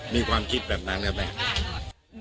มีความคิดแบบนั้นได้ไหม